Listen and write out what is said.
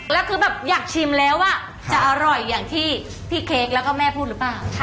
แล้วคือแบบอยากชิมแล้วอ่ะจะอร่อยอย่างที่พี่เค้กแล้วก็แม่พูดหรือเปล่า